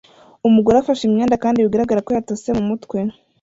Umugore afashe imyenda kandi bigaragara ko yatose mumutwe;